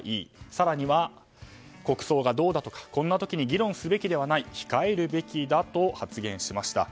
更には、国葬がどうだとかこんな時に議論するべきではない控えるべきだと発言しました。